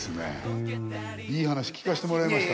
うーんいい話聞かせてもらいました